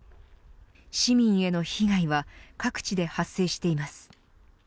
市民への被害は各地で発生しています。